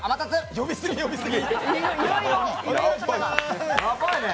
呼びすぎ、呼びすぎ。